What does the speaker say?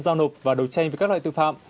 giao nộp và đột tranh với các loại tự phạm